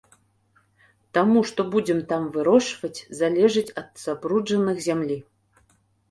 Таму, што будзем там вырошчваць, залежыць ад забруджаных зямлі.